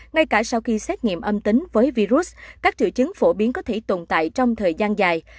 ngay cả sau khi xét nghiệm âm tính với virus các triệu chứng phổ biến có thể tồn tại trong thời gian dài